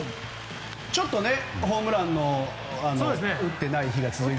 ちょっとホームランを打ってない日が続いていますね。